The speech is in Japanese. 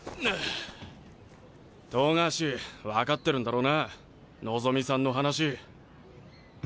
冨樫分かってるんだろうな望さんの話。